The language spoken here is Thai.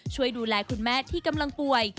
ช่วยดูแลคุณแม่ที่กำลังป่วย